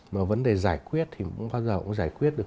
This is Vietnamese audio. mà vấn đề giải quyết thì cũng bao giờ cũng giải quyết được